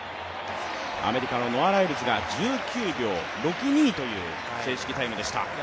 アメリカのノア・ライルズが１９秒６２という正式タイムでした。